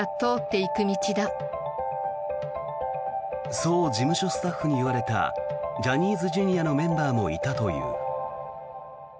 そう事務所スタッフに言われたジャニーズＪｒ．のメンバーもいたという。